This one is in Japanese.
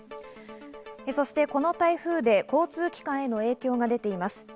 そして、この台風で交通機関への影響が出ています。